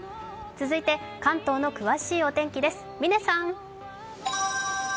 続いて関東の詳しいお天気です。